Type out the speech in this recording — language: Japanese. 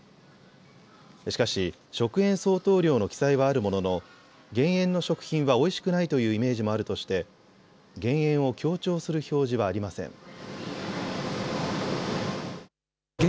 しかし、食塩相当量の記載はあるものの減塩の食品はおいしくないというイメージもあるとして減塩を強調する表示はありません。